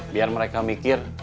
biar mereka mikir